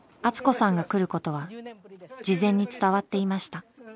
敦子さんが来ることは事前に伝わっていました。